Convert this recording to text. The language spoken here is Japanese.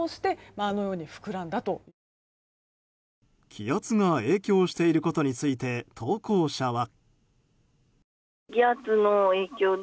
気圧が影響していることについて投稿者は。